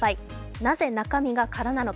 なぜ中身が空なのか